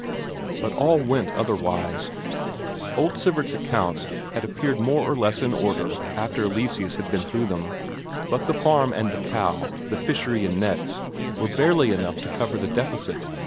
But all went otherwise. Old Sivert's accounts had appeared more or less in order after Eleseus had been through them; but the farm and the cow, the fishery and nets were barely enough to cover the deficit.